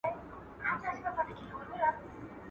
لس کلونه یې تر مرګه بندیوان وو.